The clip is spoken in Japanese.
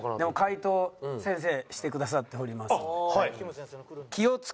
回答先生してくださっております。